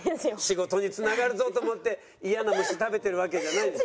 仕事につながるぞと思ってイヤな虫食べてるわけじゃないでしょ？